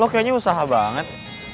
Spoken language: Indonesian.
lo kayaknya usaha banget